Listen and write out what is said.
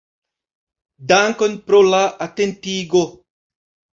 Dankon pro la atentigo!